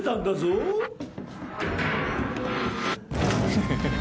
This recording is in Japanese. フフフッ。